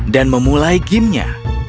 dan memulai gamenya